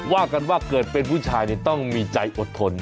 ว่ากันว่าเกิดเป็นผู้ชายต้องมีใจอดทน